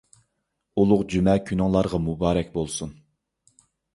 ئۇلۇغ جۈمە كۈنۈڭلارغا مۇبارەك بولسۇن!